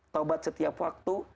taubat setiap waktu